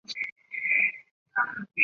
张鸿藻是清朝举人。